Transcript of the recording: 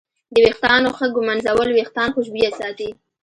د ویښتانو ښه ږمنځول وېښتان خوشبویه ساتي.